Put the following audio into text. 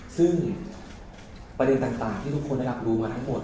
ซึ่งประเด็นต่างที่ทุกคนได้รับรู้มาทั้งหมด